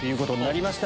出ました！